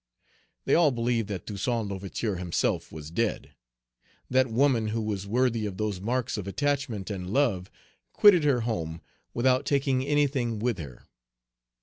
they all believed that Toussaint L'Ouverture himself was dead. That woman who was worthy of those marks of attachment and love quitted her home without taking anything with her.